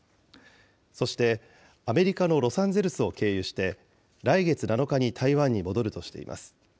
そして、アメリカのロサンゼルスを経由して、来月７日に台湾に戻るとしています。